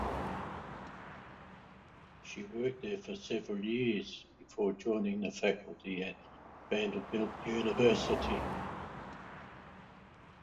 She worked there for several years before joining the faculty at Vanderbilt University.